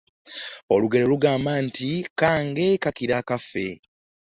Olugero lugamba nti "Kange ,kakira akaffe."